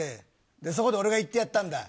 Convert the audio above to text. そこで俺が言ってやったんだ。